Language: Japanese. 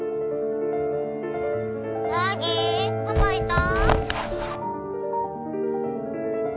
凪パパいた？